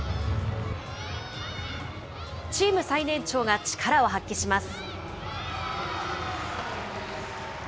チーム最年長が力を発揮します。